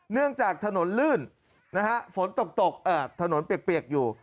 เนื่องจากถนนลื่นนะฮะฝนตกถนนเปียกอยู่